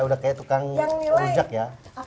udah kayak tukang rujak ya